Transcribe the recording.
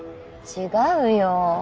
違うよ。